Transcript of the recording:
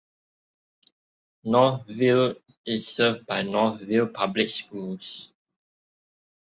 Northville is served by Northville Public Schools.